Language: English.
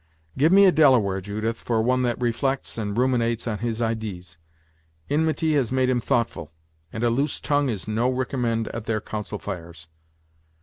Give me a Delaware, Judith, for one that reflects and ruminates on his idees! Inmity has made him thoughtful, and a loose tongue is no ricommend at their council fires."